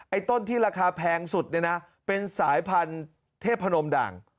ต้นที่ราคาแพงสุดเนี่ยนะเป็นสายพันธุ์เทพนมด่าง